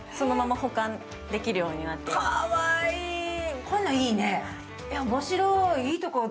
こういうのいいね。